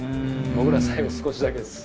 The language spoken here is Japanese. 僕ら最後少しだけです。